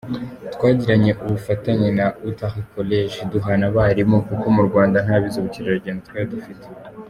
Twagiranye ubufatanye na Utali College, duhana abarimu, kuko mu Rwanda ntabize ubukerarugendo twari dufite.